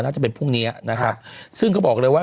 จะเป็นพรุ่งเนี้ยนะครับซึ่งเขาบอกเลยว่า